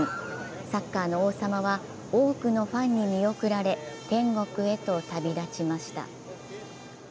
サッカーの王様は多くのファンに見送られ、天国へと旅立ちました。